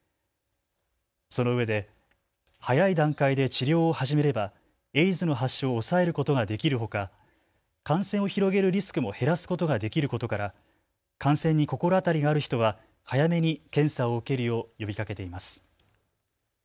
そのうえで早い段階で治療を始めればエイズの発症を抑えることができるほか感染を広げるリスクも減らすことができることから感染に心当たりがある人は早めに検査を受けるよう呼びかけています。